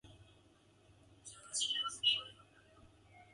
Seabury then turned to the Scottish Episcopal Church.